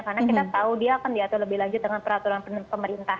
karena kita tahu dia akan diatur lebih lanjut dengan peraturan pemerintah